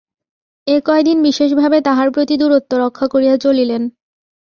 এ কয়দিন বিশেষভাবে তাহার প্রতি দূরত্ব রক্ষা করিয়া চলিলেন।